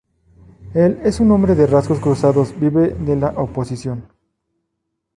Él es un hombre de rasgos cruzados: vive de la oposición".